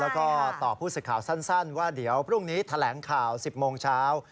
แล้วก็ตอบผู้สื่อข่าวสั้นว่าเดี๋ยวพรุ่งนี้แถลงข่าว๑๐โมงเช้า